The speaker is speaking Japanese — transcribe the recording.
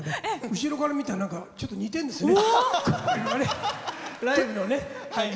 後ろから見たらちょっと似てるんですね。